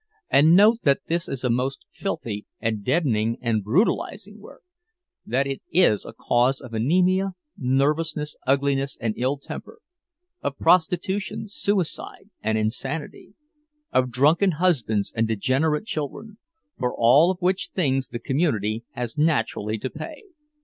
And note that this is most filthy and deadening and brutalizing work; that it is a cause of anemia, nervousness, ugliness, and ill temper; of prostitution, suicide, and insanity; of drunken husbands and degenerate children—for all of which things the community has naturally to pay.